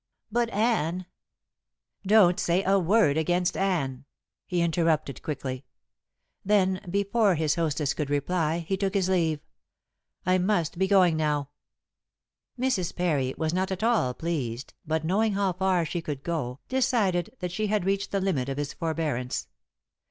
But Anne " "Don't say a word against Anne," he interrupted quickly. Then, before his hostess could reply, he took his leave. "I must be going now." Mrs. Parry was not at all pleased, but knowing how far she could go, decided that she had reached the limit of his forbearance.